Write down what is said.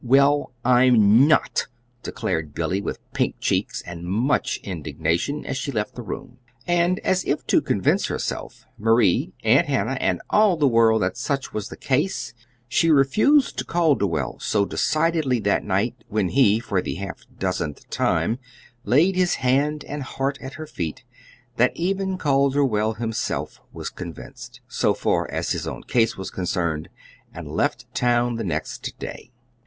"Well, I'm not!" declared Billy with pink cheeks and much indignation, as she left the room. And as if to convince herself, Marie, Aunt Hannah, and all the world that such was the case, she refused Calderwell so decidedly that night when he, for the half dozenth time, laid his hand and heart at her feet, that even Calderwell himself was convinced so far as his own case was concerned and left town the next day.